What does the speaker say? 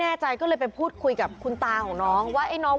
แน่ใจก็เลยไปพูดคุยกับคุณตาของน้องว่าไอ้น้อง